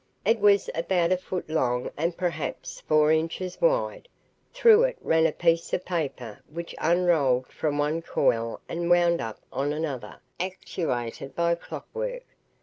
It was about a foot long and perhaps four inches wide. Through it ran a piece of paper which unrolled from one coil and wound up on another, actuated by clockwork.